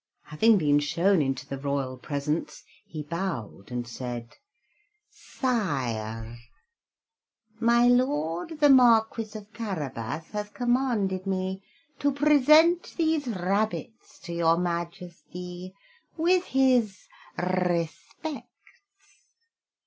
Having been shown into the royal presence, he bowed and said: "Sire, my Lord the Marquis of Carabas has commanded me to present these rabbits to your Majesty, with his respects."